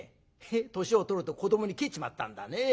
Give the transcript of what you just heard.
年を取ると子どもに返っちまったんだね。